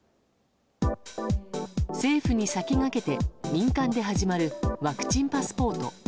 政府に先駆けて民間で始まるワクチンパスポート。